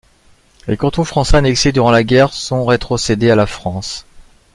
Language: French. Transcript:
Les cantons français annexés durant la guerre sont rétrocédés à la France.